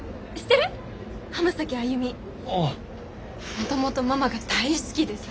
もともとママが大好きでさ